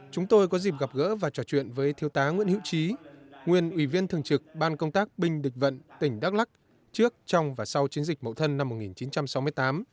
chúng tôi có dịp gặp gỡ và trò chuyện với thiêu tá nguyễn hữu trí nguyên ủy viên thường trực ban công tác binh địch vận tỉnh đắk lắc trước trong và sau chiến dịch mậu thân năm một nghìn chín trăm sáu mươi tám